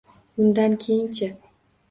Undan keyin-chi?